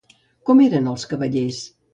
Com eren els cavallers?